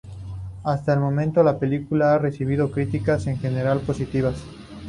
Hasta el momento, la película ha recibido críticas en general positivas.